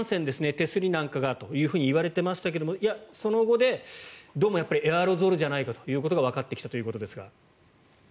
手すりなんかがといわれていましたがいや、その後でどうもエアロゾルじゃないかとわかってきたということですが。